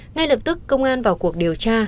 ngay lập tức công an vào cuộc điều tra